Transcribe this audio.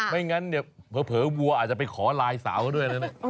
ไม่งั้นเนี่ยเผลอวัวอาจจะไปขอไลน์สาวเงินเข้าด้วย